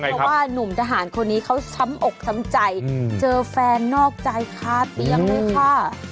เพราะว่านุ่มทหารคนนี้เขาซ้ำอกซ้ำใจเจอแฟนนอกใจคาเตียงเลยค่ะ